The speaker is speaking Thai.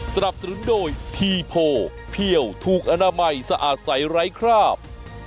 สนับสนุนโดยทีโพเพี่ยวถูกอนามัยสะอาดใสไร้คราบ